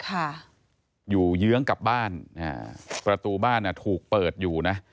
ค่ะอยู่เยื้องกับบ้านอ่าประตูบ้านอ่ะถูกเปิดอยู่นะ